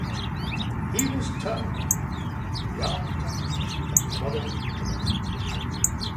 He was termed the "Architect of Modern Penang".